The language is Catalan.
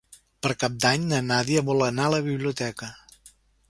Per Cap d'Any na Nàdia vol anar a la biblioteca.